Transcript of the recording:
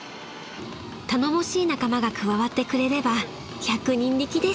［頼もしい仲間が加わってくれれば百人力です］